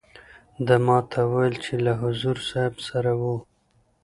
ده ما ته وویل چې له حضور صاحب سره وو.